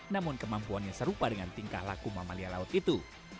namun kemampuannya serupa dengan tingkah laku mamalia laut itu